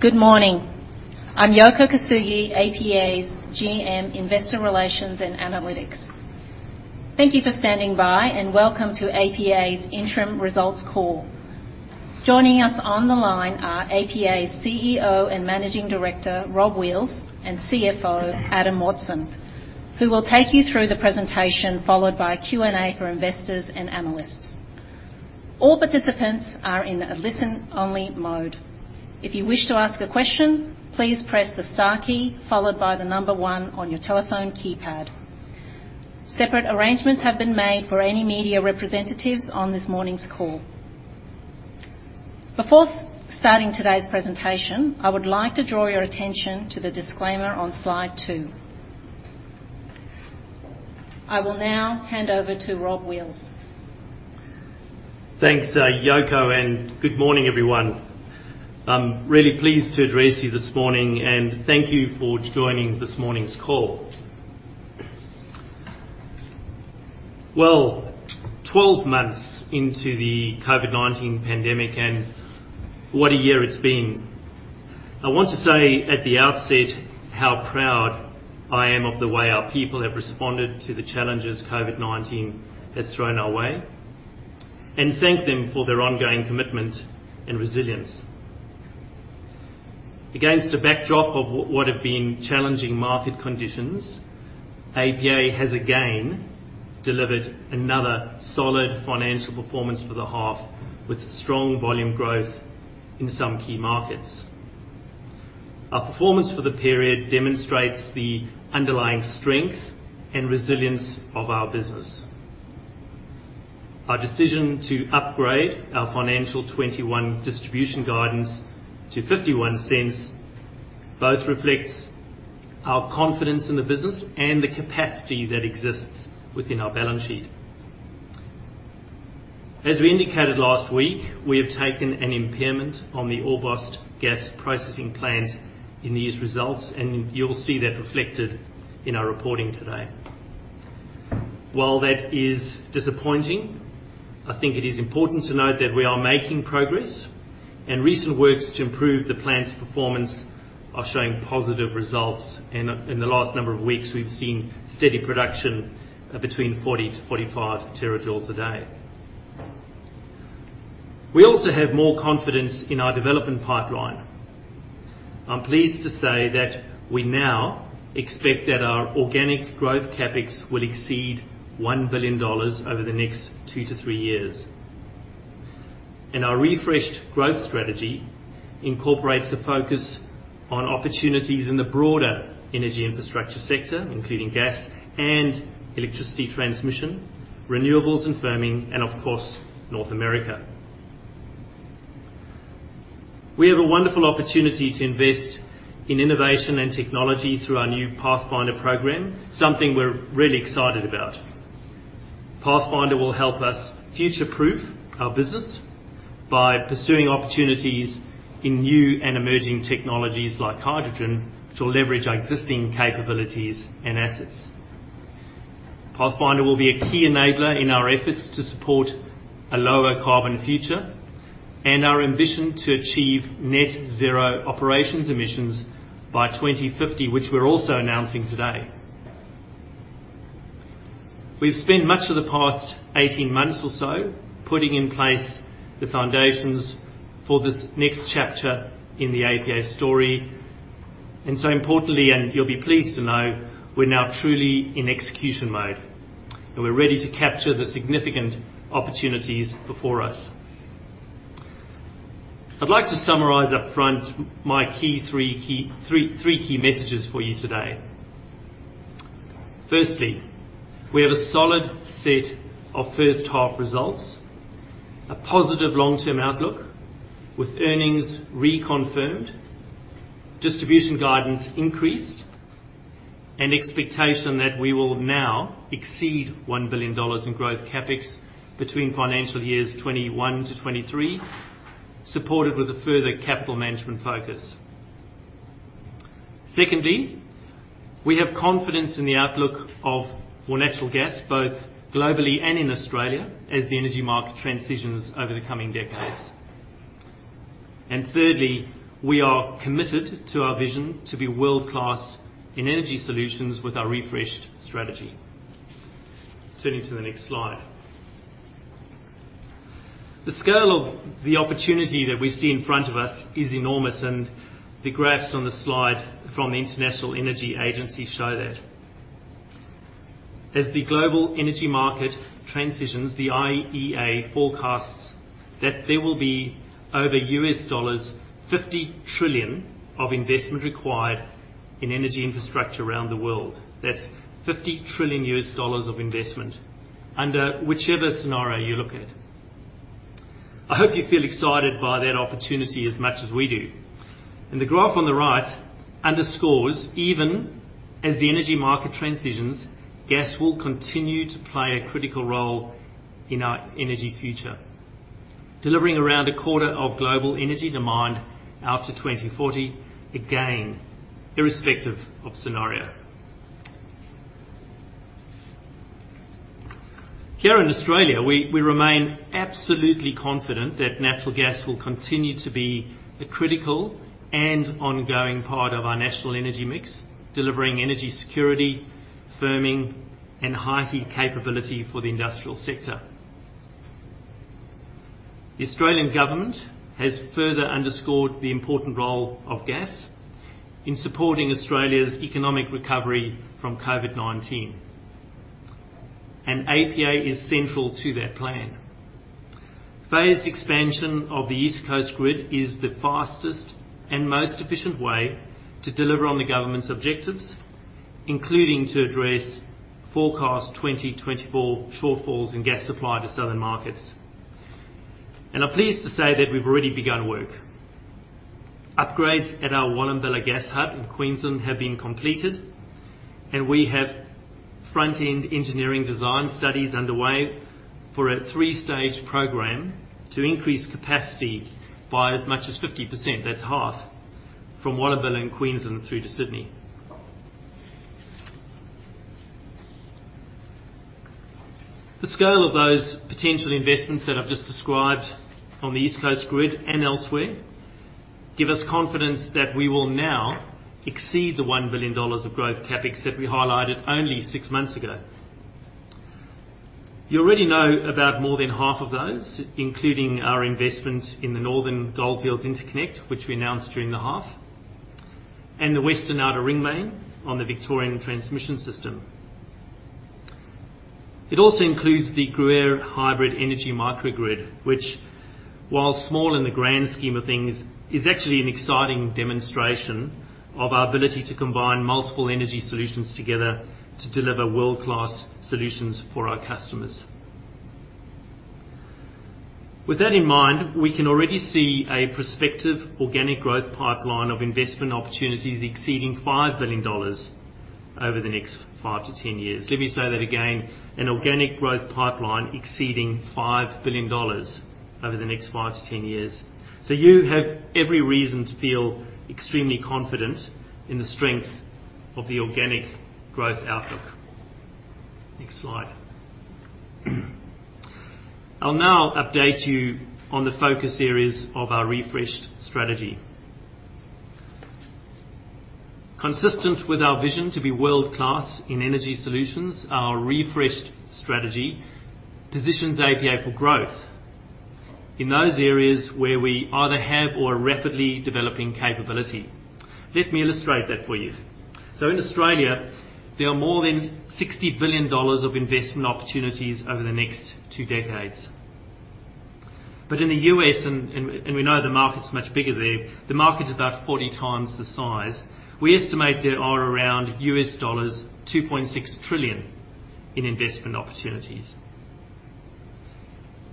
Good morning. I'm Yoko Kosugi, APA's GM, Investor Relations and Analytics. Thank you for standing by, and welcome to APA's interim results call. Joining us on the line are APA's CEO and Managing Director, Rob Wheals, and CFO, Adam Watson, who will take you through the presentation, followed by a Q&A for investors and analysts. All participants are in a listen-only mode. If you wish to ask a question, please press the star key, followed by the number one on your telephone keypad. Separate arrangements have been made for any media representatives on this morning's call. Before starting today's presentation, I would like to draw your attention to the disclaimer on slide two. I will now hand over to Rob Wheals. Thanks, Yoko, and good morning, everyone. I'm really pleased to address you this morning, and thank you for joining this morning's call. Well, 12 months into the COVID-19 pandemic, and what a year it's been. I want to say at the outset how proud I am of the way our people have responded to the challenges COVID-19 has thrown our way and thank them for their ongoing commitment and resilience. Against a backdrop of what have been challenging market conditions, APA has again delivered another solid financial performance for the half, with strong volume growth in some key markets. Our performance for the period demonstrates the underlying strength and resilience of our business. Our decision to upgrade our financial 21 distribution guidance to 0.51 both reflects our confidence in the business and the capacity that exists within our balance sheet. As we indicated last week, we have taken an impairment on the Orbost Gas Processing Plant in these results, and you will see that reflected in our reporting today. While that is disappointing, I think it is important to note that we are making progress, and recent works to improve the plant's performance are showing positive results. In the last number of weeks, we have seen steady production of between 40-45 terajoules a day. We also have more confidence in our development pipeline. I am pleased to say that we now expect that our organic growth CapEx will exceed 1 billion dollars over the next two to three years. Our refreshed growth strategy incorporates a focus on opportunities in the broader energy infrastructure sector, including gas and electricity transmission, renewables and firming, and of course, North America. We have a wonderful opportunity to invest in innovation and technology through our new Pathfinder program, something we're really excited about. Pathfinder will help us future-proof our business by pursuing opportunities in new and emerging technologies like hydrogen to leverage our existing capabilities and assets. Pathfinder will be a key enabler in our efforts to support a lower carbon future and our ambition to achieve net zero operations emissions by 2050, which we're also announcing today. We've spent much of the past 18 months or so putting in place the foundations for this next chapter in the APA story. Importantly, and you'll be pleased to know, we're now truly in execution mode, and we're ready to capture the significant opportunities before us. I'd like to summarize upfront my three key messages for you today. We have a solid set of first half results, a positive long-term outlook with earnings reconfirmed, distribution guidance increased, and expectation that we will now exceed 1 billion dollars in growth CapEx between financial years 2021 to 2023, supported with a further capital management focus. We have confidence in the outlook of natural gas, both globally and in Australia, as the energy market transitions over the coming decades. Thirdly, we are committed to our vision to be world-class in energy solutions with our refreshed strategy. Turning to the next slide. The scale of the opportunity that we see in front of us is enormous, the graphs on the slide from the International Energy Agency show that. As the global energy market transitions, the IEA forecasts that there will be over $50 trillion of investment required in energy infrastructure around the world. That's $50 trillion of investment under whichever scenario you look at. I hope you feel excited by that opportunity as much as we do. The graph on the right underscores, even as the energy market transitions, gas will continue to play a critical role in our energy future, delivering around a quarter of global energy demand out to 2040, again, irrespective of scenario. Here in Australia, we remain absolutely confident that natural gas will continue to be a critical and ongoing part of our national energy mix, delivering energy security, firming, and heightening capability for the industrial sector. The Australian government has further underscored the important role of gas in supporting Australia's economic recovery from COVID-19, and APA is central to that plan. Phased expansion of the East Coast Gas Grid is the fastest and most efficient way to deliver on the government's objectives, including to address forecast 2024 shortfalls in gas supply to southern markets. I'm pleased to say that we've already begun work. Upgrades at our Wallumbilla gas hub in Queensland have been completed, and we have Front-End Engineering Design studies underway for a 3-stage program to increase capacity by as much as 50%, that's half, from Wallumbilla in Queensland through to Sydney. The scale of those potential investments that I've just described on the East Coast Gas Grid and elsewhere give us confidence that we will now exceed the 1 billion dollars of growth CapEx that we highlighted only six months ago. You already know about more than half of those, including our investment in the Northern Goldfields Interconnect, which we announced during the half, and the Western Outer Ring Main on the Victorian Transmission System. It also includes the Gruyere Hybrid Energy Microgrid, which while small in the grand scheme of things, is actually an exciting demonstration of our ability to combine multiple energy solutions together to deliver world-class solutions for our customers. With that in mind, we can already see a prospective organic growth pipeline of investment opportunities exceeding 5 billion dollars over the next 5-10 years. Let me say that again, an organic growth pipeline exceeding 5 billion dollars over the next 5-10 years. You have every reason to feel extremely confident in the strength of the organic growth outlook. Next slide. I'll now update you on the focus areas of our refreshed strategy. Consistent with our vision to be world-class in energy solutions, our refreshed strategy positions APA for growth in those areas where we either have or are rapidly developing capability. Let me illustrate that for you. In Australia, there are more than 60 billion dollars of investment opportunities over the next two decades. In the U.S., and we know the market's much bigger there, the market is about 40 times the size. We estimate there are around $2.6 trillion in investment opportunities.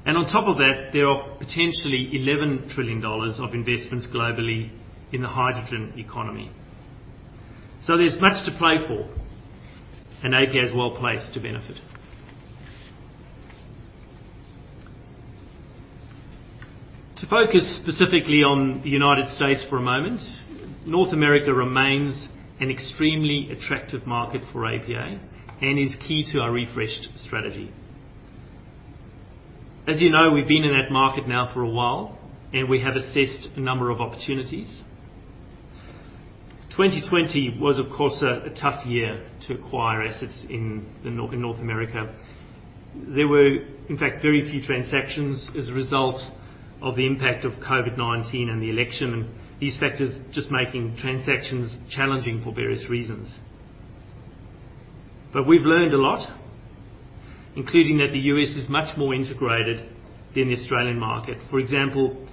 On top of that, there are potentially 11 trillion dollars of investments globally in the hydrogen economy. There's much to play for, and APA is well-placed to benefit. To focus specifically on the United States for a moment, North America remains an extremely attractive market for APA and is key to our refreshed strategy. As you know, we've been in that market now for a while, and we have assessed a number of opportunities. 2020 was, of course, a tough year to acquire assets in North America. There were, in fact, very few transactions as a result of the impact of COVID-19 and the election. These factors just making transactions challenging for various reasons. We've learned a lot, including that the U.S. is much more integrated than the Australian market. For example,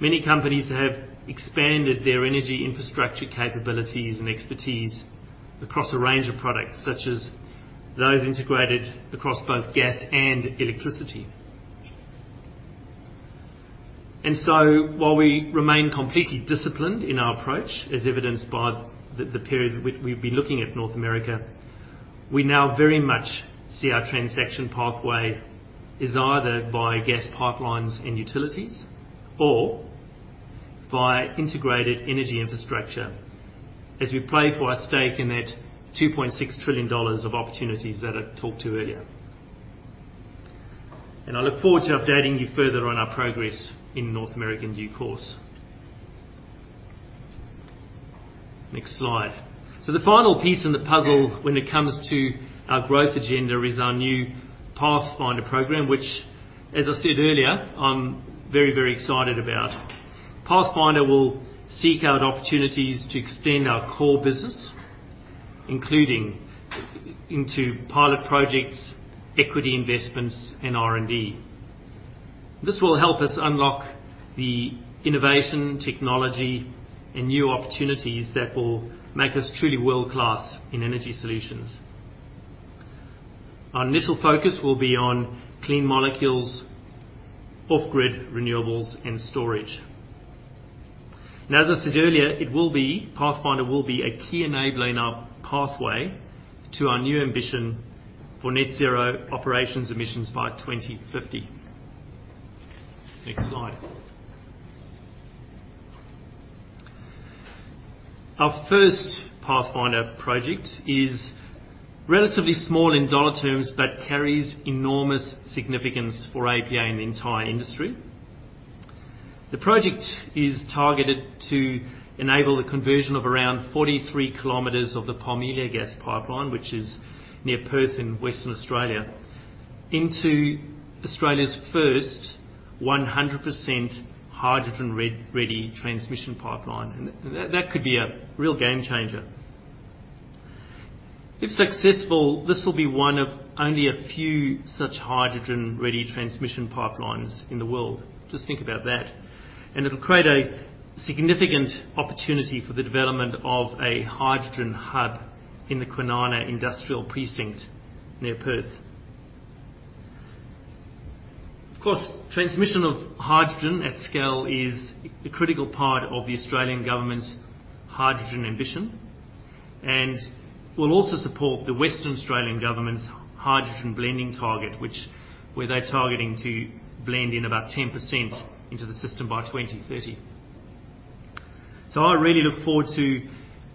many companies have expanded their energy infrastructure capabilities and expertise across a range of products, such as those integrated across both gas and electricity. While we remain completely disciplined in our approach, as evidenced by the period we've been looking at North America, we now very much see our transaction pathway is either via gas pipelines and utilities or via integrated energy infrastructure as we play for our stake in that 2.6 trillion dollars of opportunities that I talked to earlier. I look forward to updating you further on our progress in North America in due course. Next slide. The final piece in the puzzle when it comes to our growth agenda is our new Pathfinder program, which as I said earlier, I'm very excited about. Pathfinder will seek out opportunities to extend our core business, including into pilot projects, equity investments, and R&D. This will help us unlock the innovation, technology, and new opportunities that will make us truly world-class in energy solutions. Our initial focus will be on clean molecules, off-grid renewables, and storage. As I said earlier, Pathfinder will be a key enabler in our pathway to our new ambition for net zero operations emissions by 2050. Next slide. Our first Pathfinder project is relatively small in dollar terms, but carries enormous significance for APA and the entire industry. The project is targeted to enable the conversion of around 43 km of the Parmelia Gas Pipeline, which is near Perth in Western Australia, into Australia's first 100% hydrogen-ready transmission pipeline. That could be a real game changer. If successful, this will be one of only a few such hydrogen-ready transmission pipelines in the world. Just think about that. It'll create a significant opportunity for the development of a hydrogen hub in the Kwinana Industrial Precinct near Perth. Of course, transmission of hydrogen at scale is a critical part of the Australian government's hydrogen ambition, and will also support the Western Australian government's hydrogen blending target, where they're targeting to blend in about 10% into the system by 2030. I really look forward to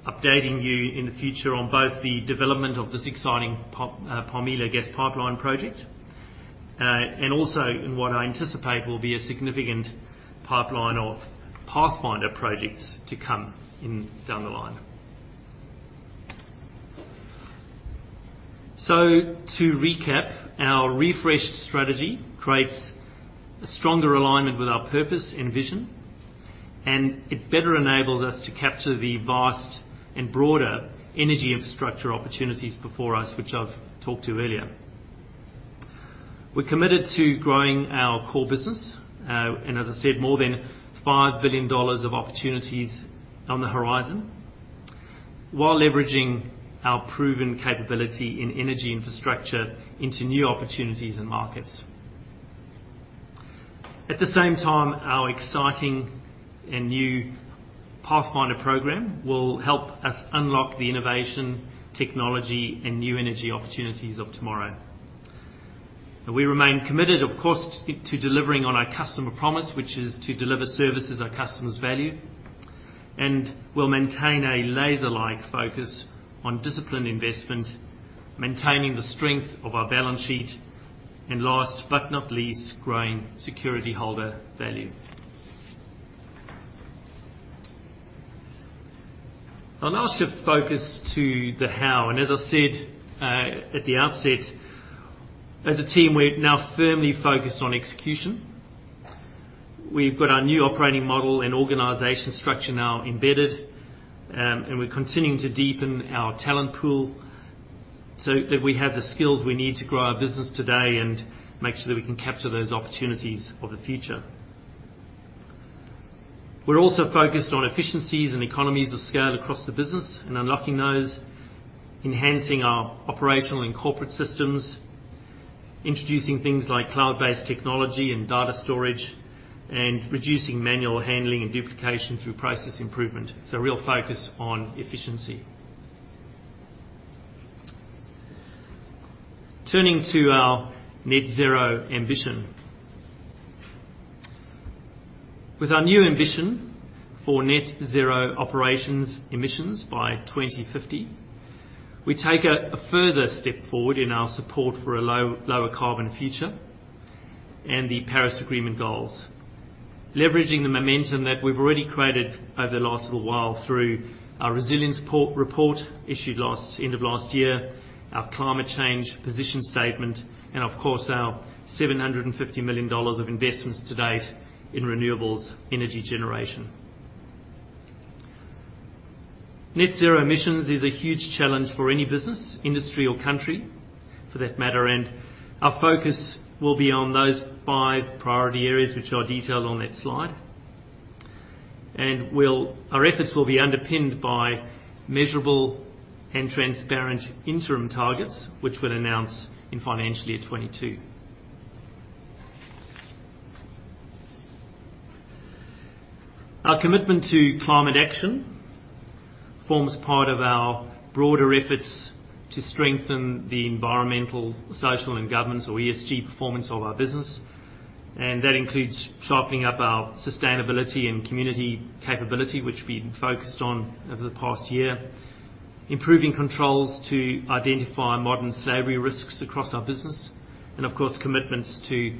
updating you in the future on both the development of this exciting Parmelia Gas Pipeline project, and also in what I anticipate will be a significant pipeline of Pathfinder projects to come down the line. To recap, our refreshed strategy creates a stronger alignment with our purpose and vision, and it better enables us to capture the vast and broader energy infrastructure opportunities before us, which I've talked to earlier. We're committed to growing our core business. As I said, more than 5 billion dollars of opportunities on the horizon while leveraging our proven capability in energy infrastructure into new opportunities and markets. At the same time, our exciting and new Pathfinder program will help us unlock the innovation, technology, and new energy opportunities of tomorrow. We remain committed, of course, to delivering on our customer promise, which is to deliver services our customers value. We'll maintain a laser-like focus on disciplined investment, maintaining the strength of our balance sheet, and last but not least, growing security holder value. I'll now shift focus to the how. As I said, at the outset, as a team, we're now firmly focused on execution. We've got our new operating model and organization structure now embedded, and we're continuing to deepen our talent pool so that we have the skills we need to grow our business today and make sure that we can capture those opportunities of the future. We're also focused on efficiencies and economies of scale across the business and unlocking those, enhancing our operational and corporate systems, introducing things like cloud-based technology and data storage, and reducing manual handling and duplication through process improvement. A real focus on efficiency. Turning to our net zero ambition. With our new ambition for net zero operations emissions by 2050, we take a further step forward in our support for a lower carbon future and the Paris Agreement goals, leveraging the momentum that we've already created over the last little while through our Climate Change Resilience Report issued end of last year, our climate change position statement, and of course, our 750 million dollars of investments to date in renewables energy generation. Net zero emissions is a huge challenge for any business, industry or country, for that matter. Our focus will be on those five priority areas, which I detailed on that slide. Our efforts will be underpinned by measurable and transparent interim targets, which we will announce in financial year 2022. Our commitment to climate action forms part of our broader efforts to strengthen the environmental, social, and governance, or ESG performance of our business, and that includes sharpening up our sustainability and community capability, which we've been focused on over the past year, improving controls to identify modern slavery risks across our business, and of course, commitments to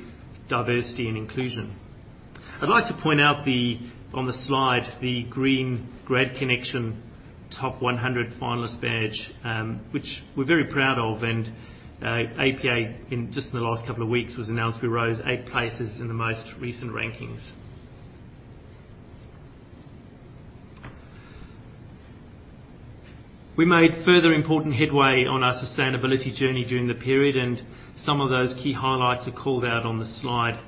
diversity and inclusion. I'd like to point out on the slide, the Green GradConnection Top 100 Finalist badge, which we're very proud of, and APA, just in the last couple of weeks was announced we rose eight places in the most recent rankings. We made further important headway on our sustainability journey during the period, and some of those key highlights are called out on the slide.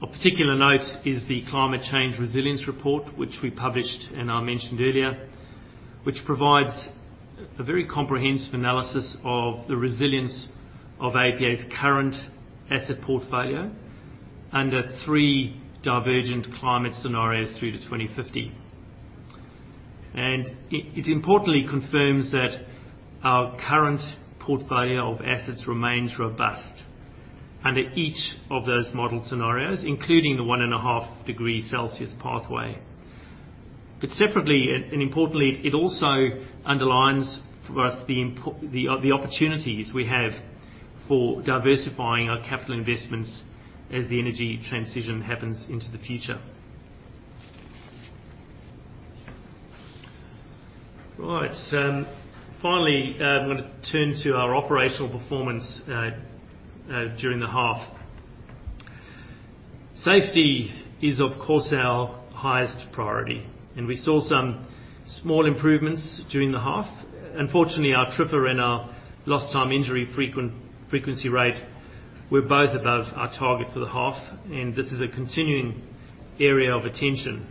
Of particular note is the Climate Change Resilience Report, which we published and I mentioned earlier, which provides a very comprehensive analysis of the resilience of APA's current asset portfolio under three divergent climate scenarios through to 2050. It importantly confirms that our current portfolio of assets remains robust under each of those model scenarios, including the 1.5 degree Celsius pathway. Separately, and importantly, it also underlines for us the opportunities we have for diversifying our capital investments as the energy transition happens into the future. Right. Finally, I'm going to turn to our operational performance during the half. Safety is, of course, our highest priority, and we saw some small improvements during the half. Unfortunately, our TRIFR and our Lost Time Injury Frequency Rate were both above our target for the half, and this is a continuing area of attention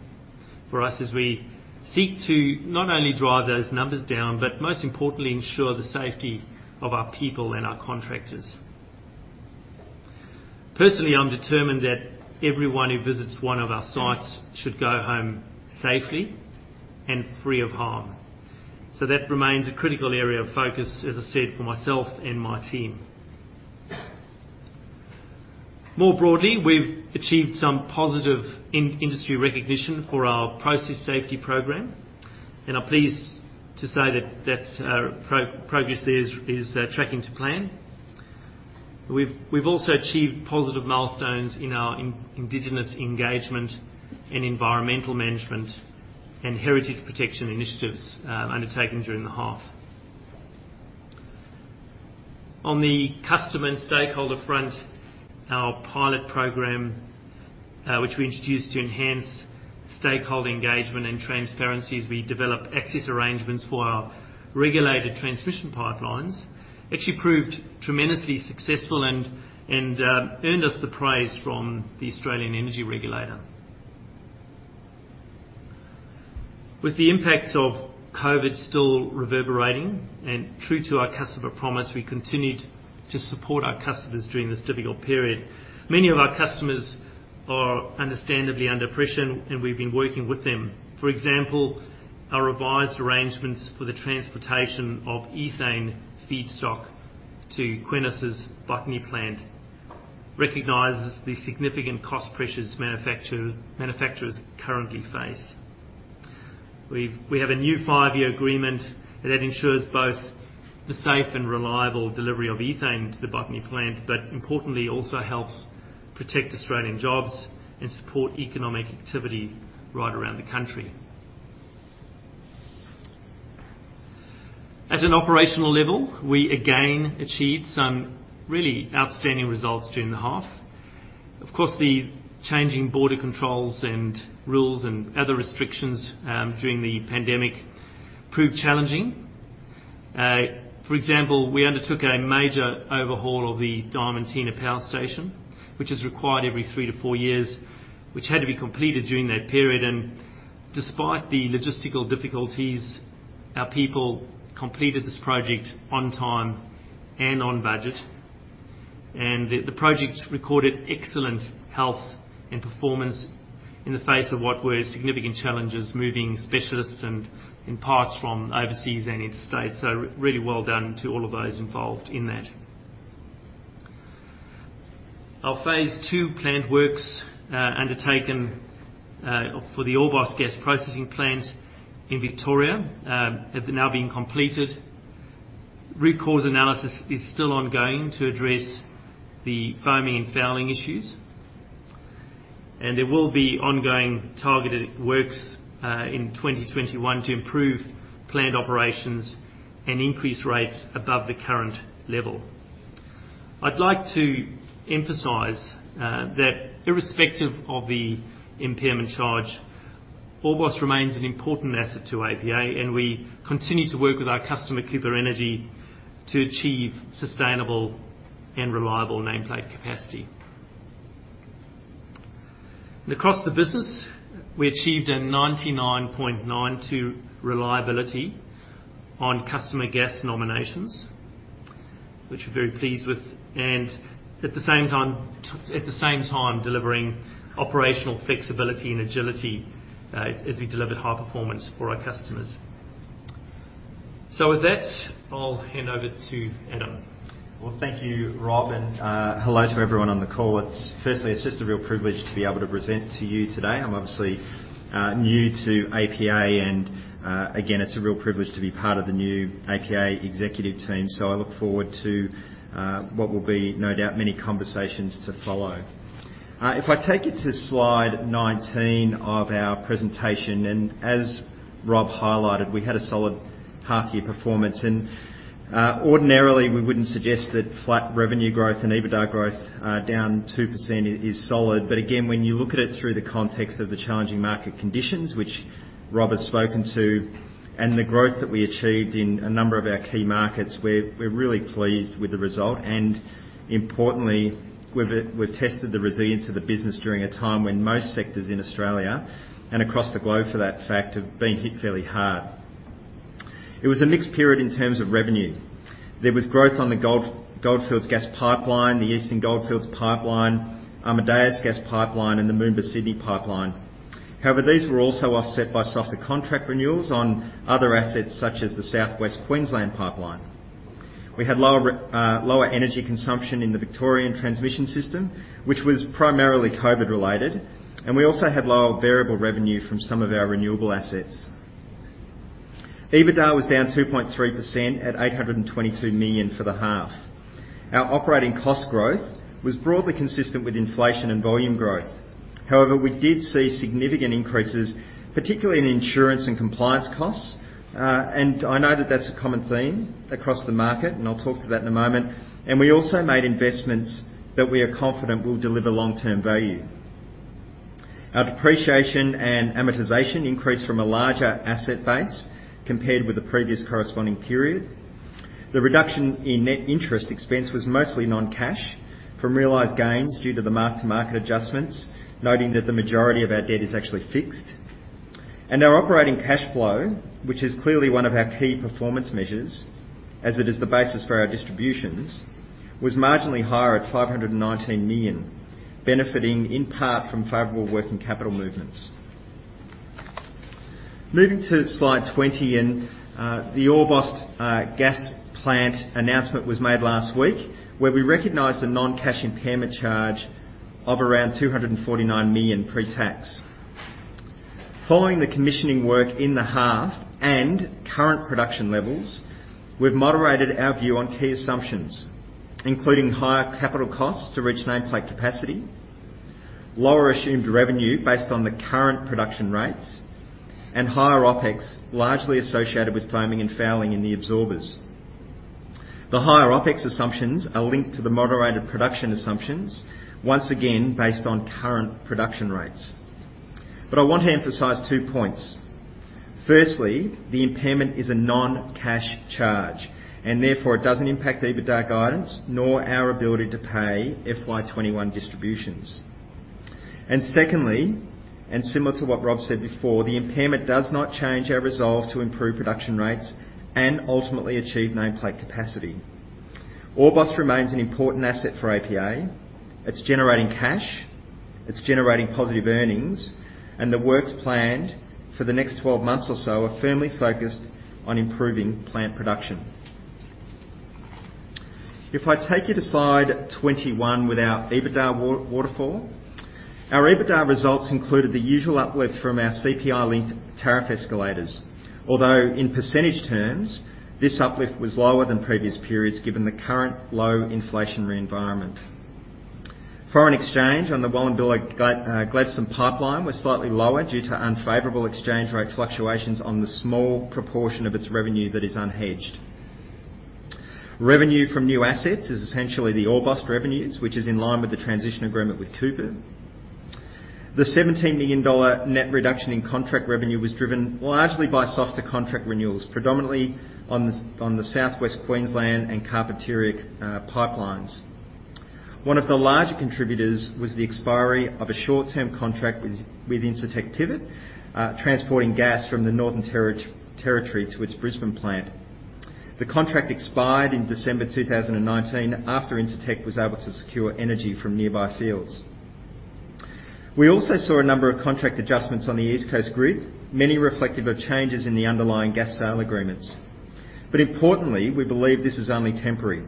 for us as we seek to not only drive those numbers down, but most importantly, ensure the safety of our people and our contractors. Personally, I'm determined that everyone who visits one of our sites should go home safely and free of harm. That remains a critical area of focus, as I said, for myself and my team. More broadly, we've achieved some positive industry recognition for our process safety program, and I'm pleased to say that progress there is tracking to plan. We've also achieved positive milestones in our indigenous engagement and environmental management and heritage protection initiatives undertaken during the half. On the customer and stakeholder front, our pilot program, which we introduced to enhance stakeholder engagement and transparency as we develop access arrangements for our regulated transmission pipelines, actually proved tremendously successful and earned us the praise from the Australian Energy Regulator. With the impact of COVID still reverberating and true to our customer promise, we continued to support our customers during this difficult period. Many of our customers are understandably under pressure, and we've been working with them. For example, our revised arrangements for the transportation of ethane feedstock to Qenos' Botany plant recognizes the significant cost pressures manufacturers currently face. We have a new five-year agreement that ensures both the safe and reliable delivery of ethane to the Botany plant, but importantly, also helps protect Australian jobs and support economic activity right around the country. At an operational level, we again achieved some really outstanding results during the half. Of course, the changing border controls and rules and other restrictions during the pandemic proved challenging. For example, we undertook a major overhaul of the Diamantina Power Station, which is required every three to four years, which had to be completed during that period. Despite the logistical difficulties, our people completed this project on time and on budget. The project recorded excellent health and performance in the face of what were significant challenges, moving specialists and parts from overseas and interstates. Really well done to all of those involved in that. Our Phase 2 plant works undertaken for the Orbost Gas Processing Plant in Victoria have now been completed. Root cause analysis is still ongoing to address the foaming and fouling issues. There will be ongoing targeted works in 2021 to improve plant operations and increase rates above the current level. I'd like to emphasize that irrespective of the impairment charge, Orbost remains an important asset to APA, and we continue to work with our customer, Cooper Energy, to achieve sustainable and reliable nameplate capacity. Across the business, we achieved a 99.92% reliability on customer gas nominations, which we're very pleased with, and at the same time delivering operational flexibility and agility as we delivered high performance for our customers. With that, I'll hand over to Adam. Well, thank you, Rob, and hello to everyone on the call. Firstly, it's just a real privilege to be able to present to you today. I'm obviously new to APA, and again, it's a real privilege to be part of the new APA executive team. I look forward to what will be no doubt many conversations to follow. If I take you to slide 19 of our presentation, and as Rob highlighted, we had a solid half-year performance. Ordinarily, we wouldn't suggest that flat revenue growth and EBITDA growth down 2% is solid. Again, when you look at it through the context of the challenging market conditions, which Rob has spoken to, and the growth that we achieved in a number of our key markets, we're really pleased with the result. Importantly, we've tested the resilience of the business during a time when most sectors in Australia, and across the globe for that fact, have been hit fairly hard. It was a mixed period in terms of revenue. There was growth on the Goldfields Gas Pipeline, the Eastern Goldfields Pipeline, Amadeus Gas Pipeline, and the Moomba to Sydney Pipeline. These were also offset by softer contract renewals on other assets, such as the South West Queensland Pipeline. We had lower energy consumption in the Victorian Transmission System, which was primarily COVID related, and we also had lower variable revenue from some of our renewable assets. EBITDA was down 2.3% at 822 million for the half. Our operating cost growth was broadly consistent with inflation and volume growth. We did see significant increases, particularly in insurance and compliance costs. I know that that's a common theme across the market, and I'll talk to that in a moment. We also made investments that we are confident will deliver long-term value. Our depreciation and amortization increased from a larger asset base compared with the previous corresponding period. The reduction in net interest expense was mostly non-cash from realized gains due to the mark-to-market adjustments, noting that the majority of our debt is actually fixed. Our operating cash flow, which is clearly one of our key performance measures as it is the basis for our distributions, was marginally higher at 519 million, benefiting in part from favorable working capital movements. Moving to slide 20, the Orbost Gas Plant announcement was made last week, where we recognized a non-cash impairment charge of around AUD 249 million pre-tax. Following the commissioning work in the half and current production levels, we've moderated our view on key assumptions, including higher capital costs to reach nameplate capacity, lower assumed revenue based on the current production rates, and higher OpEx, largely associated with foaming and fouling in the absorbers. The higher OpEx assumptions are linked to the moderated production assumptions, once again, based on current production rates. I want to emphasize two points. Firstly, the impairment is a non-cash charge, and therefore it doesn't impact EBITDA guidance nor our ability to pay FY 2021 distributions. Secondly, and similar to what Rob said before, the impairment does not change our resolve to improve production rates and ultimately achieve nameplate capacity. Orbost remains an important asset for APA. It's generating cash, it's generating positive earnings, and the works planned for the next 12 months or so are firmly focused on improving plant production. If I take you to slide 21 with our EBITDA waterfall. Our EBITDA results included the usual uplift from our CPI-linked tariff escalators. In percentage terms, this uplift was lower than previous periods given the current low inflationary environment. Foreign exchange on the Wallumbilla-Gladstone Pipeline was slightly lower due to unfavorable exchange rate fluctuations on the small proportion of its revenue that is unhedged. Revenue from new assets is essentially the Orbost revenues, which is in line with the transition agreement with Cooper. The 17 million dollar net reduction in contract revenue was driven largely by softer contract renewals, predominantly on the South West Queensland and Carpentaria Pipelines. One of the larger contributors was the expiry of a short-term contract with Incitec Pivot, transporting gas from the Northern Territory to its Brisbane plant. The contract expired in December 2019 after Incitec was able to secure energy from nearby fields. We also saw a number of contract adjustments on the East Coast Gas Grid, many reflective of changes in the underlying gas sale agreements. Importantly, we believe this is only temporary.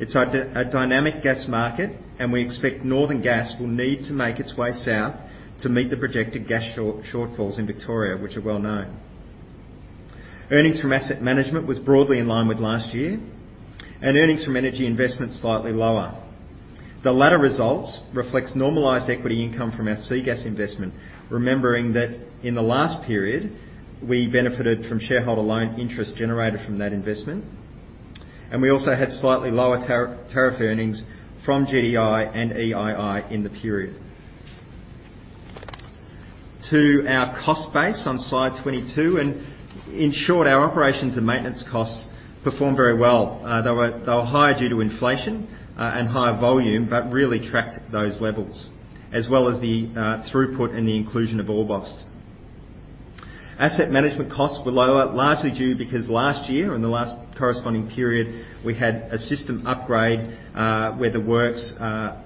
It's a dynamic gas market, and we expect northern gas will need to make its way south to meet the projected gas shortfalls in Victoria, which are well known. Earnings from asset management was broadly in line with last year, and earnings from energy investment slightly lower. The latter results reflects normalized equity income from our SEA Gas investment, remembering that in the last period, we benefited from shareholder loan interest generated from that investment, and we also had slightly lower tariff earnings from GDI and [EII] in the period. To our cost base on slide 22, in short, our operations and maintenance costs performed very well. They were higher due to inflation and higher volume, but really tracked those levels, as well as the throughput and the inclusion of Orbost. Asset management costs were lower, largely due because last year, or in the last corresponding period, we had a system upgrade, where the works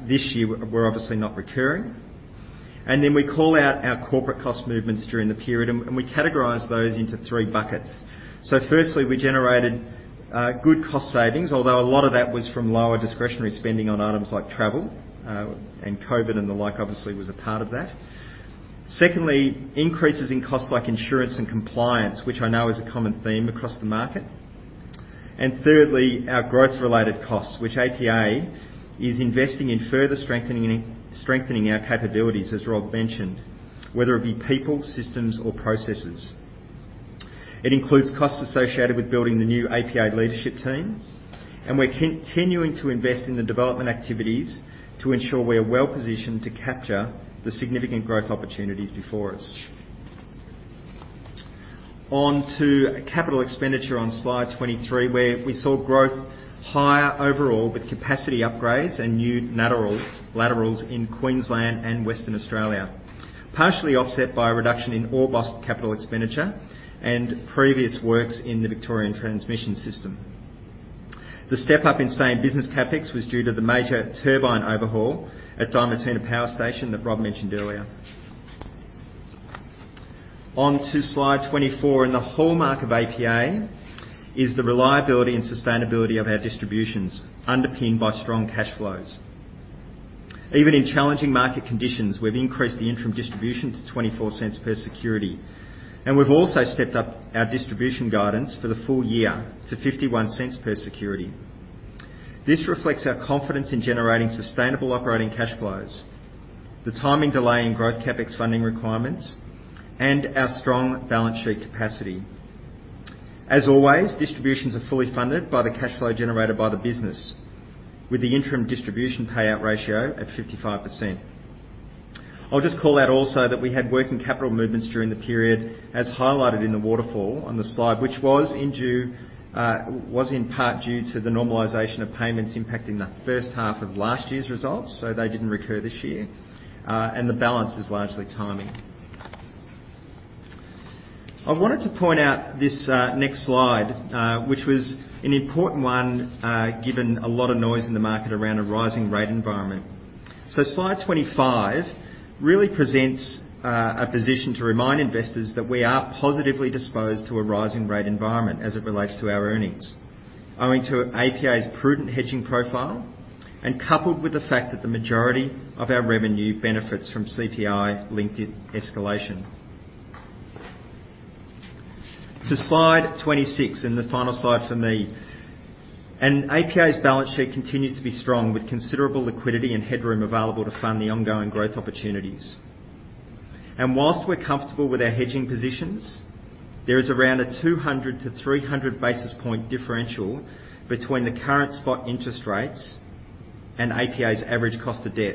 this year were obviously not recurring. We call out our corporate cost movements during the period, and we categorize those into three buckets. Firstly, we generated good cost savings, although a lot of that was from lower discretionary spending on items like travel, and COVID and the like obviously was a part of that. Secondly, increases in costs like insurance and compliance, which I know is a common theme across the market. Thirdly, our growth-related costs, which APA is investing in further strengthening our capabilities, as Rob mentioned, whether it be people, systems, or processes. It includes costs associated with building the new APA leadership team. We're continuing to invest in the development activities to ensure we are well-positioned to capture the significant growth opportunities before us. On to capital expenditure on slide 23, where we saw growth higher overall with capacity upgrades and new laterals in Queensland and Western Australia, partially offset by a reduction in Orbost capital expenditure and previous works in the Victorian Transmission System. The step-up in same business CapEx was due to the major turbine overhaul at Diamantina Power Station that Rob mentioned earlier. On to slide 24, the hallmark of APA is the reliability and sustainability of our distributions underpinned by strong cash flows. Even in challenging market conditions, we've increased the interim distribution to 0.24 per security. We've also stepped up our distribution guidance for the full year to 0.51 per security. This reflects our confidence in generating sustainable operating cash flows, the timing delay in growth CapEx funding requirements, and our strong balance sheet capacity. As always, distributions are fully funded by the cash flow generated by the business with the interim distribution payout ratio at 55%. I'll just call out also that we had working capital movements during the period, as highlighted in the waterfall on the slide, which was in part due to the normalization of payments impacting the first half of last year's results, so they didn't recur this year, and the balance is largely timing. I wanted to point out this next slide, which was an important one, given a lot of noise in the market around a rising rate environment. Slide 25 really presents a position to remind investors that we are positively disposed to a rising rate environment as it relates to our earnings owing to APA's prudent hedging profile and coupled with the fact that the majority of our revenue benefits from CPI-linked escalation. To slide 26 and the final slide for me. APA's balance sheet continues to be strong with considerable liquidity and headroom available to fund the ongoing growth opportunities. Whilst we're comfortable with our hedging positions, there is around a 200-300 basis point differential between the current spot interest rates and APA's average cost of debt.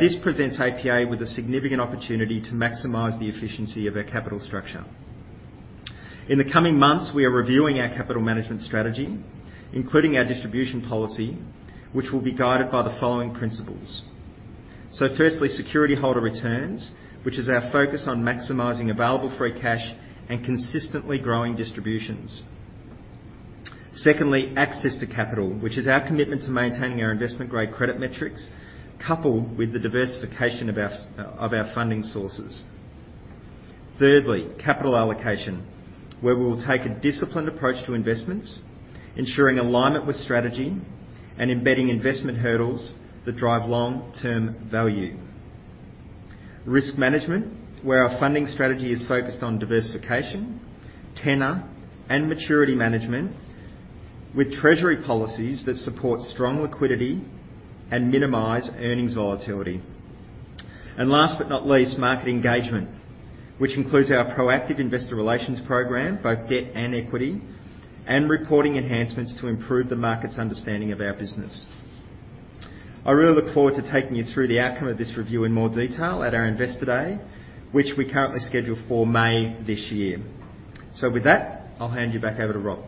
This presents APA with a significant opportunity to maximize the efficiency of our capital structure. In the coming months, we are reviewing our capital management strategy, including our distribution policy, which will be guided by the following principles. Firstly, security holder returns, which is our focus on maximizing available free cash and consistently growing distributions. Secondly, access to capital, which is our commitment to maintaining our investment-grade credit metrics, coupled with the diversification of our funding sources. Thirdly, capital allocation, where we will take a disciplined approach to investments, ensuring alignment with strategy and embedding investment hurdles that drive long-term value. Risk management, where our funding strategy is focused on diversification, tenor, and maturity management with treasury policies that support strong liquidity and minimize earnings volatility. Last but not least, market engagement, which includes our proactive investor relations program, both debt and equity, and reporting enhancements to improve the market's understanding of our business. I really look forward to taking you through the outcome of this review in more detail at our investor day, which we currently schedule for May this year. With that, I'll hand you back over to Rob.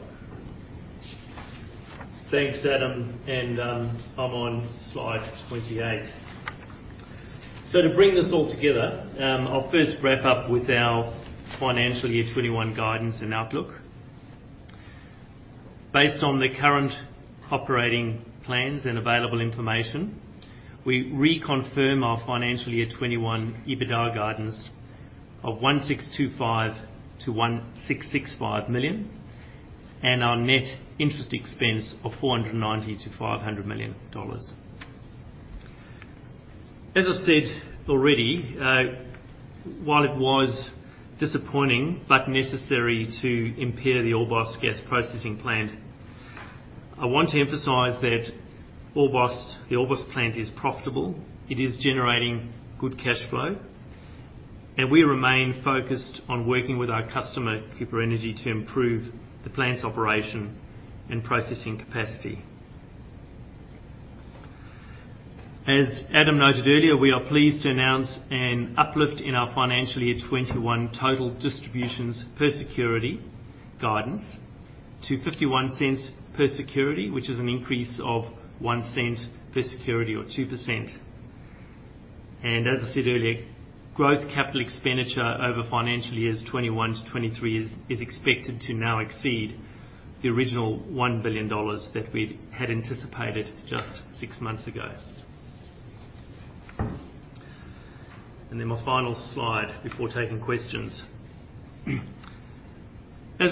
Thanks, Adam. I'm on slide 28. To bring this all together, I'll first wrap up with our financial year 2021 guidance and outlook. Based on the current operating plans and available information, we reconfirm our financial year 2021 EBITDA guidance of 1,625 million-1,665 million and our net interest expense of 490 million-500 million dollars. As I said already, while it was disappointing but necessary to impair the Orbost Gas Processing Plant, I want to emphasize that the Orbost plant is profitable. It is generating good cash flow. We remain focused on working with our customer, Cooper Energy, to improve the plant's operation and processing capacity. As Adam noted earlier, we are pleased to announce an uplift in our financial year 2021 total distributions per security guidance to 0.51 per security, which is an increase of 0.01 per security or 2%. As I said earlier, growth capital expenditure over financial years 2021-2023 is expected to now exceed the original 1 billion dollars that we had anticipated just six months ago. Then my final slide before taking questions. As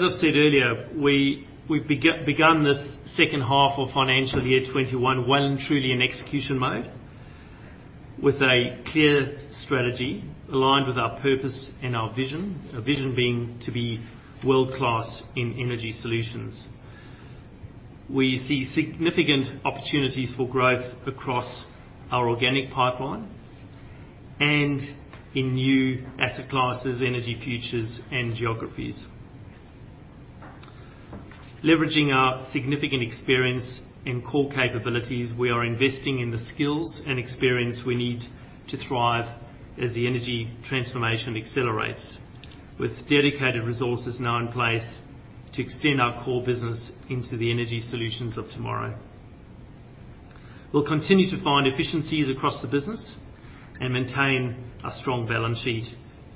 I said earlier, we've begun this second half of financial year 2021 well and truly in execution mode with a clear strategy aligned with our purpose and our vision, our vision being to be world-class in energy solutions. We see significant opportunities for growth across our organic pipeline and in new asset classes, energy futures, and geographies. Leveraging our significant experience and core capabilities, we are investing in the skills and experience we need to thrive as the energy transformation accelerates with dedicated resources now in place to extend our core business into the energy solutions of tomorrow. We'll continue to find efficiencies across the business and maintain a strong balance sheet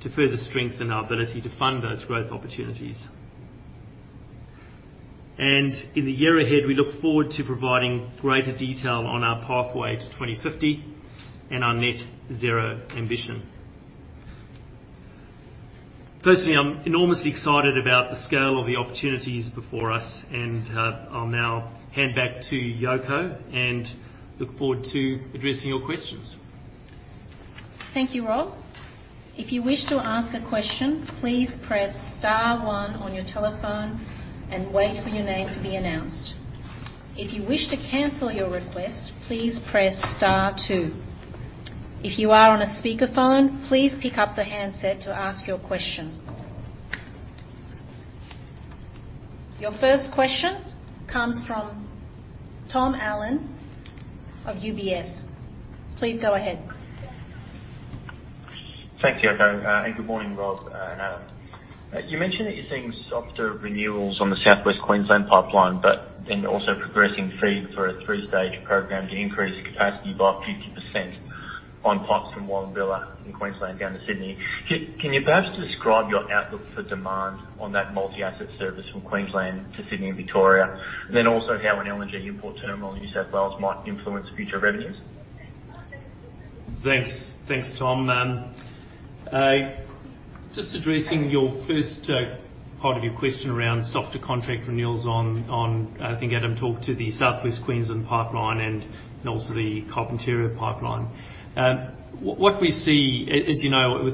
to further strengthen our ability to fund those growth opportunities. In the year ahead, we look forward to providing greater detail on our pathway to 2050 and our net zero ambition. Personally, I'm enormously excited about the scale of the opportunities before us, and I'll now hand back to Yoko and look forward to addressing your questions. Thank you, Rob. If you wish to ask a question please press star one on your telephone and wait for you name to be announced. If you wish to cancel your request please press star two. If you are on a speaker phone please pick up the handset to ask your question. Your first question comes from Tom Allen of UBS. Please go ahead. Thank you, Yoko, and good morning, Rob and Adam. You mentioned that you're seeing softer renewals on the South West Queensland Pipeline, but then also progressing FEED for a three-stage program to increase the capacity by 50% on pipes from Wallumbilla in Queensland down to Sydney. Can you perhaps describe your outlook for demand on that multi-asset service from Queensland to Sydney and Victoria? How an LNG import terminal in New South Wales might influence future revenues? Thanks. Thanks, Tom. Just addressing your first part of your question around softer contract renewals on, I think Adam talked to the South West Queensland Pipeline and also the Carpentaria Pipeline. What we see, as you know, with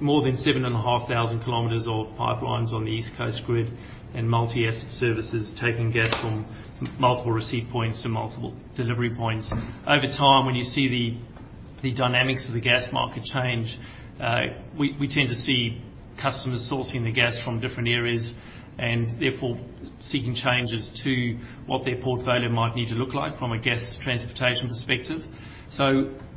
more than 7,500 km of pipelines on the East Coast grid and multi-asset services taking gas from multiple receipt points to multiple delivery points, over time, when you see the dynamics of the gas market change, we tend to see customers sourcing the gas from different areas and therefore seeking changes to what their portfolio might need to look like from a gas transportation perspective.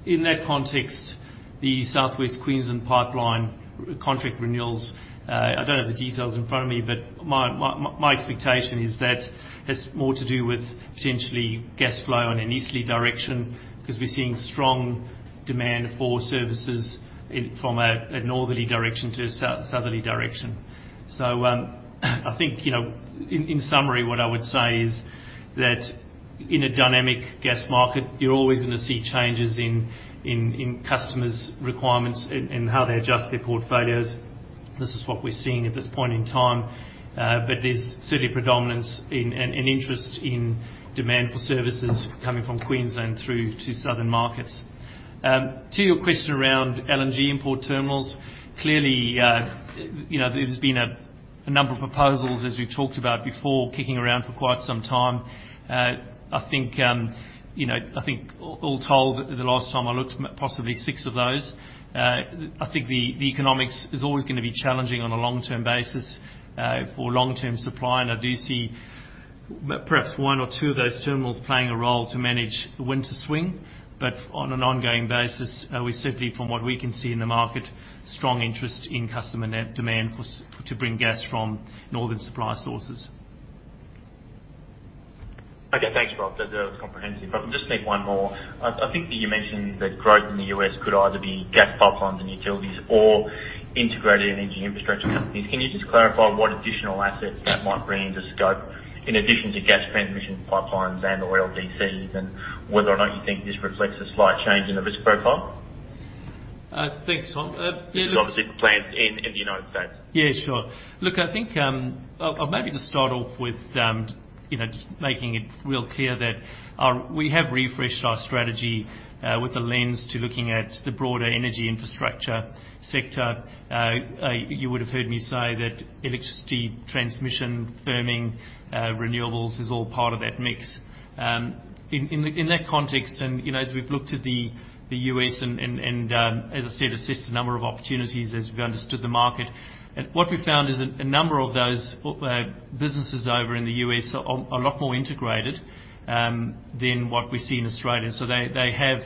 In that context, the South West Queensland Pipeline contract renewals, I don't have the details in front of me, but my expectation is that has more to do with potentially gas flow in an easterly direction, because we're seeing strong demand for services from a northerly direction to a southerly direction. I think, in summary, what I would say is that in a dynamic gas market, you're always going to see changes in customers' requirements and how they adjust their portfolios. This is what we're seeing at this point in time. There's certainly predominance and an interest in demand for services coming from Queensland through to southern markets. To your question around LNG import terminals, clearly, there's been a number of proposals, as we've talked about before, kicking around for quite some time. I think, all told, the last time I looked, possibly six of those. I think the economics is always going to be challenging on a long-term basis for long-term supply, and I do see perhaps one or two of those terminals playing a role to manage the winter swing. On an ongoing basis, we certainly, from what we can see in the market, strong interest in customer demand to bring gas from northern supply sources. Okay. Thanks, Rob. That was comprehensive. Can I just make one more? I think you mentioned that growth in the U.S. could either be gas pipelines and utilities or integrated energy infrastructure companies. Can you just clarify what additional assets that might bring into scope in addition to gas transmission pipelines and/or LDCs, and whether or not you think this reflects a slight change in the risk profile? Thanks, Tom. For plans in the United States. Yeah, sure. Look, I think, I'll maybe just start off with just making it real clear that we have refreshed our strategy with a lens to looking at the broader energy infrastructure sector. You would have heard me say that electricity, transmission, firming, renewables is all part of that mix. In that context, and as we've looked at the U.S. and as I said, assessed a number of opportunities as we understood the market, what we found is that a number of those businesses over in the U.S. are a lot more integrated than what we see in Australia. They have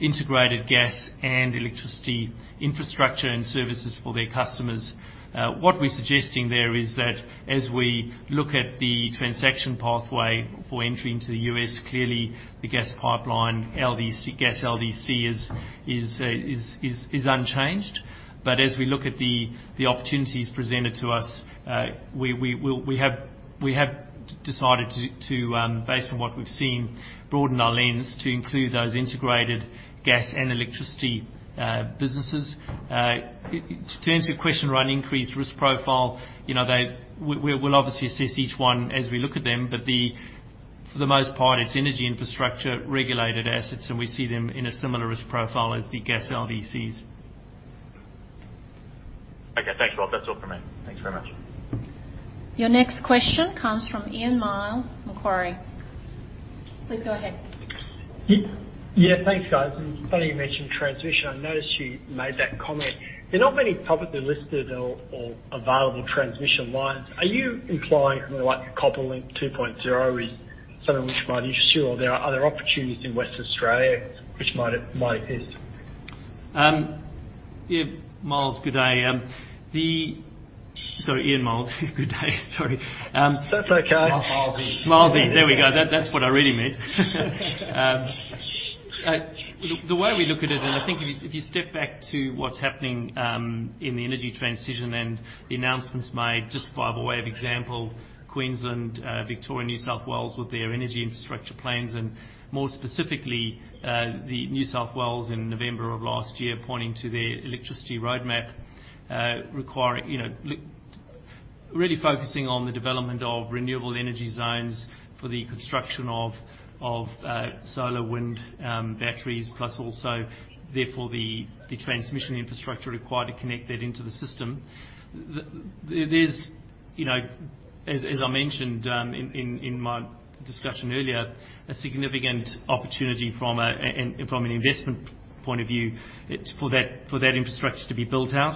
integrated gas and electricity infrastructure and services for their customers. What we're suggesting there is that as we look at the transaction pathway for entry into the U.S., clearly the gas pipeline, LDC gas is unchanged. As we look at the opportunities presented to us, we have decided to, based on what we've seen, broaden our lens to include those integrated gas and electricity businesses. To answer your question around increased risk profile, we'll obviously assess each one as we look at them, but for the most part, it's energy infrastructure, regulated assets, and we see them in a similar risk profile as the gas LDCs. Okay. Thanks, Rob. That's all from me. Thanks very much. Your next question comes from Ian Myles, Macquarie. Please go ahead. Yeah, thanks, guys. It's funny you mentioned transmission. I noticed you made that comment. There are not many publicly listed or available transmission lines. Are you implying like CopperString 2.0 is something which might interest you? There are other opportunities in Western Australia which might exist? Ian Myles, good day. Sorry. That's okay. Milesy. Milesy. There we go. That's what I really meant. The way we look at it, I think if you step back to what's happening in the energy transition and the announcements made, just by way of example, Queensland, Victoria, New South Wales with their energy infrastructure plans, and more specifically, the New South Wales in November of last year, pointing to their electricity roadmap, really focusing on the development of renewable energy zones for the construction of solar wind batteries, plus also, therefore, the transmission infrastructure required to connect that into the system. There's, as I mentioned in my discussion earlier, a significant opportunity from an investment point of view for that infrastructure to be built out.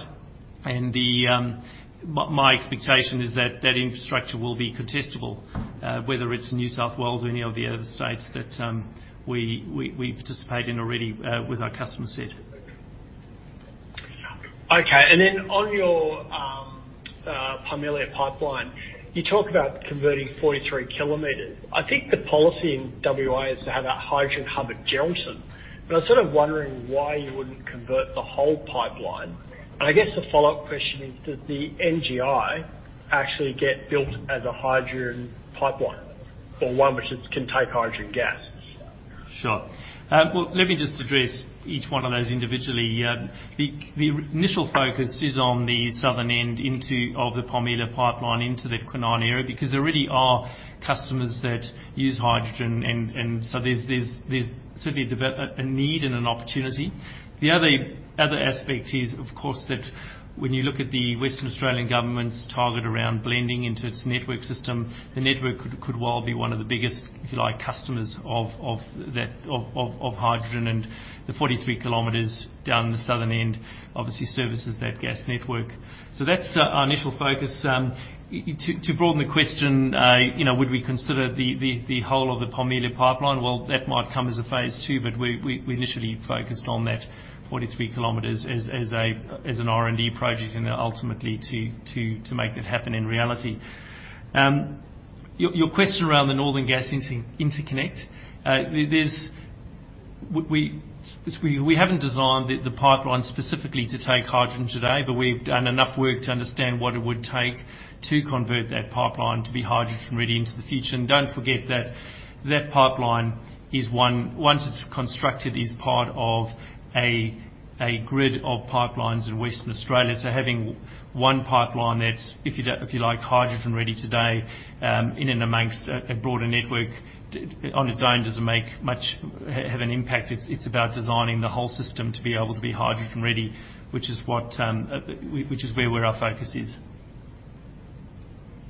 My expectation is that that infrastructure will be contestable, whether it's New South Wales or any of the other states that we participate in already with our customer set. Okay. On your Parmelia Pipeline, you talk about converting 43 km. I think the policy in W.A. is to have that hydrogen hub at Geraldton, I was sort of wondering why you wouldn't convert the whole pipeline? I guess the follow-up question is, does the NGI actually get built as a hydrogen pipeline or one which can take hydrogen gas? Sure. Well, let me just address each one of those individually. The initial focus is on the southern end of the Parmelia pipeline into the Kwinana area, because there already are customers that use hydrogen, and so there's certainly a need and an opportunity. The other aspect is, of course, that when you look at the Western Australian government's target around blending into its network system, the network could well be one of the biggest, if you like, customers of hydrogen. The 43 km down the southern end obviously services that gas network. That's our initial focus. To broaden the question, would we consider the whole of the Parmelia pipeline? Well, that might come as a phase two, but we initially focused on that 43 km as an R&D project and then ultimately to make that happen in reality. Your question around the Northern Goldfields Interconnect, we haven't designed the pipeline specifically to take hydrogen today, but we've done enough work to understand what it would take to convert that pipeline to be hydrogen-ready into the future. Don't forget that that pipeline, once it's constructed, is part of a grid of pipelines in Western Australia. Having one pipeline that's, if you like, hydrogen-ready today in and amongst a broader network on its own doesn't have an impact. It's about designing the whole system to be able to be hydrogen-ready, which is where our focus is.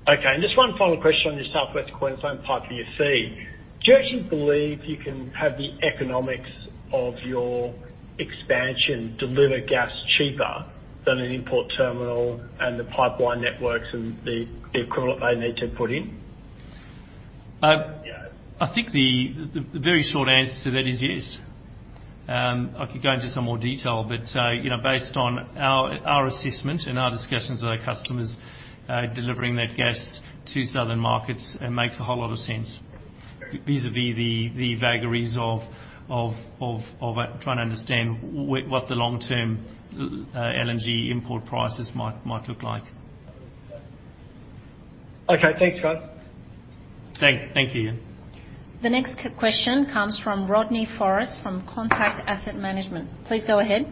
Okay. Just one final question on your South West Queensland Pipeline UFC. Do you actually believe you can have the economics of your expansion deliver gas cheaper than an import terminal and the pipeline networks and the equivalent they need to put in? I think the very short answer to that is yes. I could go into some more detail, but based on our assessment and our discussions with our customers, delivering that gas to southern markets makes a whole lot of sense vis-à-vis the vagaries of trying to understand what the long-term LNG import prices might look like. Okay. Thanks, guys. Thank you, Ian. The next question comes from Rodney Forrest from Contact Asset Management. Please go ahead.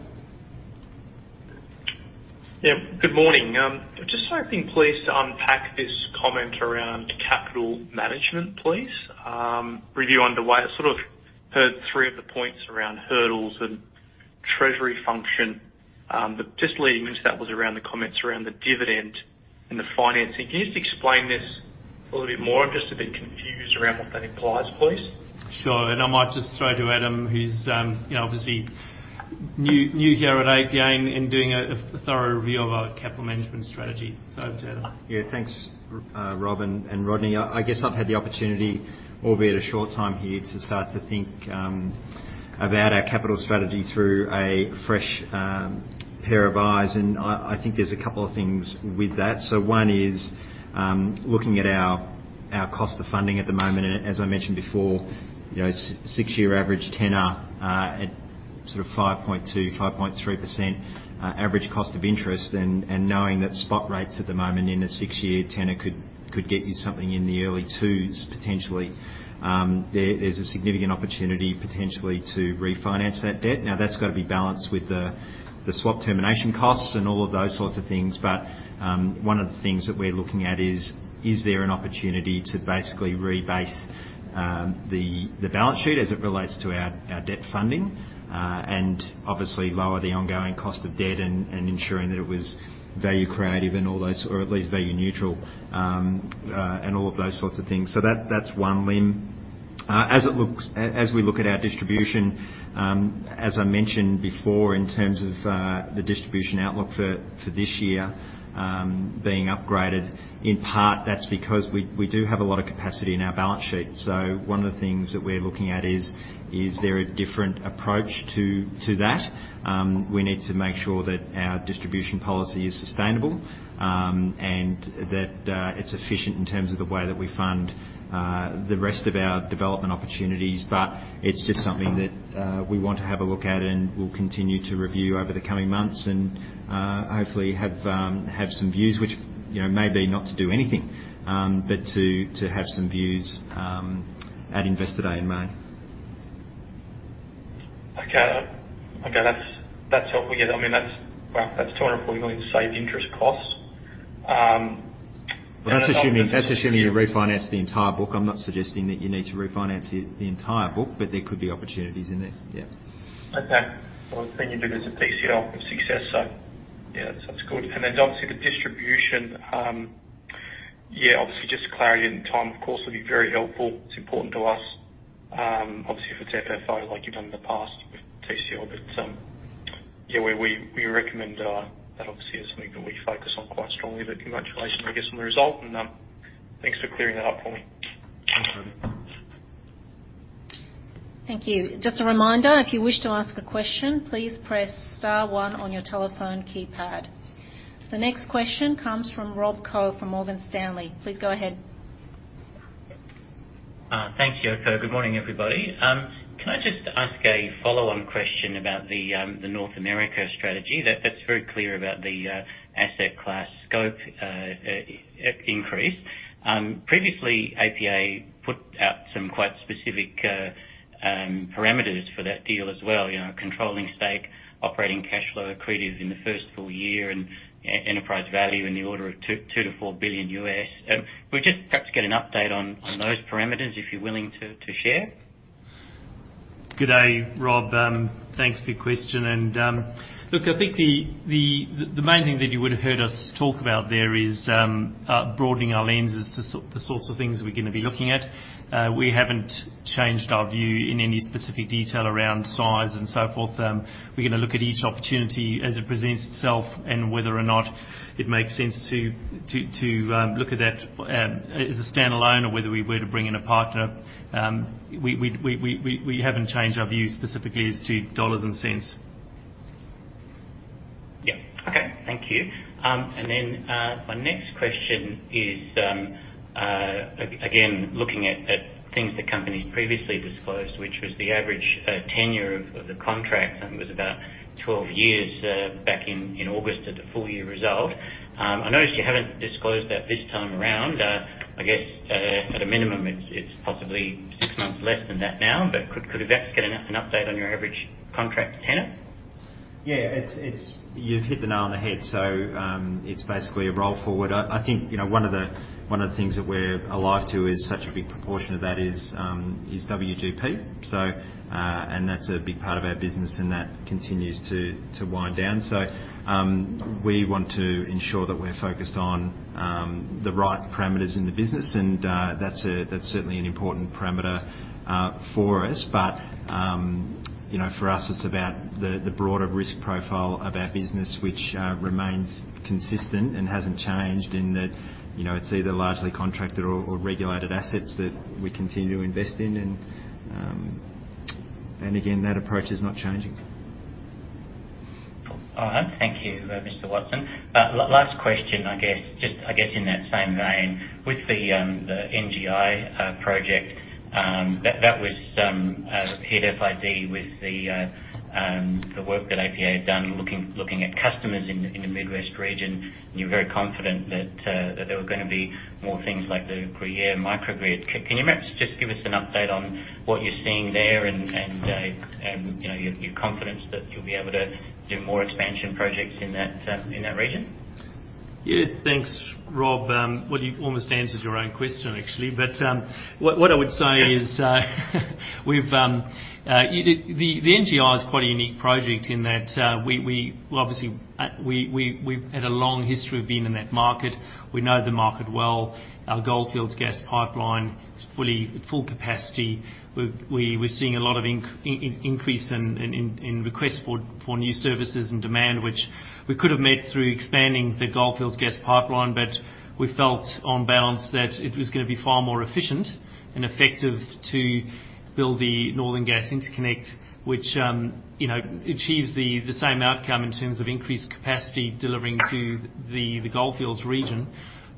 Good morning. I'm just hoping, please, to unpack this comment around capital management, please. Review underway. I sort of heard three of the points around hurdles and treasury function. Just leading into that was around the comments around the dividend and the financing. Can you just explain this a little bit more? I'm just a bit confused around what that implies, please? Sure. I might just throw to Adam, who's obviously new here at APA and doing a thorough review of our capital management strategy. Over to Adam. Yeah. Thanks, Rob and Rodney. I guess I've had the opportunity, albeit a short time here, to start to think about our capital strategy through a fresh pair of eyes. I think there's a couple of things with that. One is looking at our cost of funding at the moment, and as I mentioned before, six-year average tenor at sort of 5.2%-5.3% average cost of interest and knowing that spot rates at the moment in a six-year tenor could get you something in the early 2%s potentially. There's a significant opportunity potentially to refinance that debt. Now, that's got to be balanced with the swap termination costs and all of those sorts of things. One of the things that we're looking at is there an opportunity to basically rebase the balance sheet as it relates to our debt funding and obviously lower the ongoing cost of debt and ensuring that it was value accretive or at least value neutral, and all of those sorts of things. That's one limb. As we look at our distribution, as I mentioned before in terms of the distribution outlook for this year being upgraded, in part, that's because we do have a lot of capacity in our balance sheet. One of the things that we're looking at is there a different approach to that? We need to make sure that our distribution policy is sustainable, and that it's efficient in terms of the way that we fund the rest of our development opportunities. It's just something that we want to have a look at, and we'll continue to review over the coming months, and hopefully have some views, which may be not to do anything, but to have some views at Investor Day in May. Okay. That's 240 million saved interest costs. That's assuming you refinance the entire book. I'm not suggesting that you need to refinance the entire book, but there could be opportunities in there. Yeah. Okay. Well, the thing you did was a TCL success, yeah, that's good. Then obviously the distribution, yeah, obviously just clarity and time, of course, would be very helpful. It's important to us. Obviously, if it's FFO like you've done in the past with TCL. Yeah, we recommend that obviously as something that we focus on quite strongly. Congratulations, I guess, on the result and thanks for clearing that up for me. Thank you. Thank you. Just a reminder if you wish to ask a question just press star one on you telephone keypad. The next question comes from Rob Koh from Morgan Stanley. Please go ahead. Thanks, Yoko. Good morning, everybody. Can I just ask a follow-on question about the North America strategy? That's very clear about the asset class scope increase. Previously, APA put out some quite specific parameters for that deal as well, controlling stake, operating cash flow accretive in the first full year, and enterprise value in the order of $2 billion-$4 billion. Would you perhaps get an update on those parameters if you're willing to share? Good day, Rob. Thanks for your question. Look, I think the main thing that you would have heard us talk about there is broadening our lenses to the sorts of things we're going to be looking at. We haven't changed our view in any specific detail around size and so forth. We're going to look at each opportunity as it presents itself and whether or not it makes sense to look at that as a standalone or whether we were to bring in a partner. We haven't changed our view specifically as to dollars and cents. Yeah. Okay. Thank you. My next question is again, looking at things the company's previously disclosed, which was the average tenure of the contract was about 12 years back in August at the full year result. I notice you haven't disclosed that this time around. I guess at a minimum it's possibly six months less than that now, but could we perhaps get an update on your average contract tenor? Yeah. You've hit the nail on the head. It's basically a roll forward. I think one of the things that we're alive to is such a big proportion of that is WGP. That's a big part of our business, and that continues to wind down. We want to ensure that we're focused on the right parameters in the business and that's certainly an important parameter for us. For us, it's about the broader risk profile of our business, which remains consistent and hasn't changed in that it's either largely contracted or regulated assets that we continue to invest in. Again, that approach is not changing. All right. Thank you, Mr. Watson. Last question, I guess in that same vein, with the NGI project, that was paired FID with the work that APA had done looking at customers in the Midwest region. You're very confident that there were going to be more things like the Gruyere Microgrid. Can you perhaps just give us an update on what you're seeing there and your confidence that you'll be able to do more expansion projects in that region? Thanks, Rob. Well, you almost answered your own question, actually. What I would say is the NGI is quite a unique project in that obviously we've had a long history of being in that market. We know the market well. Our Goldfields Gas Pipeline is full capacity. We're seeing a lot of increase in requests for new services and demand, which we could have met through expanding the Goldfields Gas Pipeline, but we felt on balance that it was going to be far more efficient and effective to build the Northern Goldfields Interconnect, which achieves the same outcome in terms of increased capacity delivering to the Goldfields region,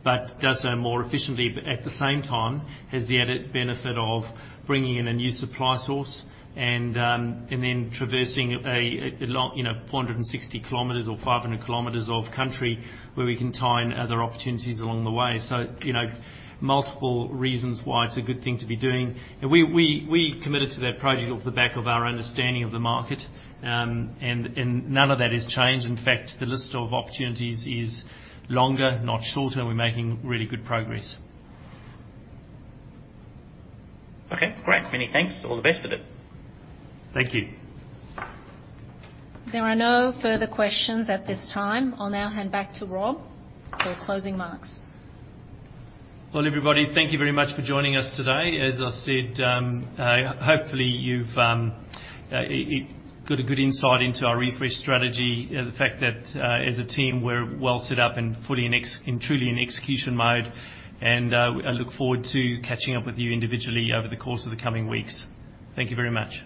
but does so more efficiently. At the same time, has the added benefit of bringing in a new supply source and then traversing 460 km or 500 km of country where we can tie in other opportunities along the way. Multiple reasons why it's a good thing to be doing. We committed to that project off the back of our understanding of the market. None of that has changed. In fact, the list of opportunities is longer, not shorter, and we're making really good progress. Okay, great. Many thanks. All the best with it. Thank you. There are no further questions at this time. I'll now hand back to Rob for closing remarks. Well, everybody, thank you very much for joining us today. As I said, hopefully you've got a good insight into our refresh strategy. The fact that as a team, we're well set up and fully and truly in execution mode. I look forward to catching up with you individually over the course of the coming weeks. Thank you very much.